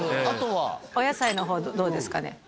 お野菜の方はどうですかね？